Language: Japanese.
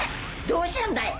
どうしたんだい